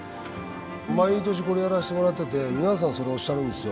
毎年これやらせてもらってて皆さんそれおっしゃるんですよ。